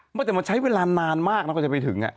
มันจะมาใช้เวลานานมากแล้วจะไปถึง